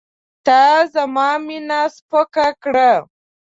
تا زما مینه سپکه کړه.